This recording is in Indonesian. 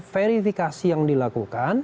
verifikasi yang dilakukan